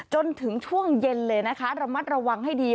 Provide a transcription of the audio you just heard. จนถึงช่วงเย็นเลยนะคะระมัดระวังให้ดี